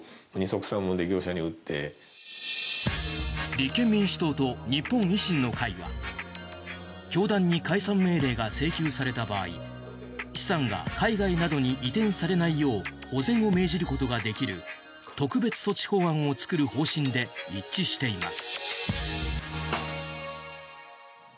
立憲民主党と日本維新の会は教団に解散命令が請求された場合資産が海外などに移転されないよう保全を命じることができる特別措置法案を作る方針で一致しています。